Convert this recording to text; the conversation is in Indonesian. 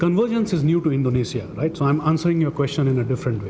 konferensi baru di indonesia saya menjawab pertanyaan anda dengan cara yang berbeda